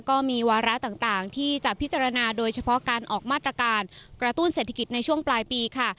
ก็มีวาระต่างที่จะพิจารณาโดยเฉพาะการออกมาตรการกระตุ้นเศรษฐกิจในช่วงปลายปีค่ะ